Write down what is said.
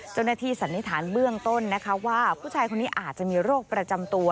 สันนิษฐานเบื้องต้นนะคะว่าผู้ชายคนนี้อาจจะมีโรคประจำตัว